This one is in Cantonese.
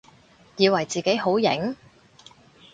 以為自己好型？